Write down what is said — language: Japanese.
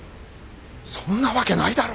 そんなわけないだろ！